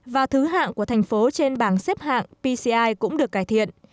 và thứ hạng của thành phố trên bảng xếp hạng pci cũng được cải thiện